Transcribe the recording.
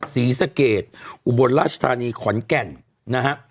ศรีสะเกดอุบลราชธานีขอนแก่นนะฮะ